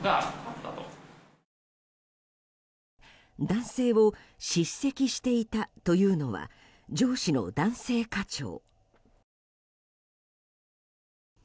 男性を叱責していたというのは上司の男性課長。